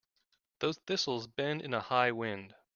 Those thistles bend in a high wind.